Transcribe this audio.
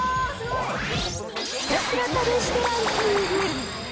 ひたすら試してランキング。